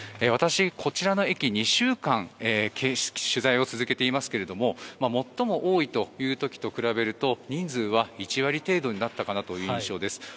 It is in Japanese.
私、こちらの駅で２週間取材を続けていますが最も多いという時と比べると人数は１割程度になったかなという印象です。